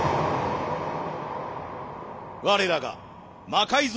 我らが魔改造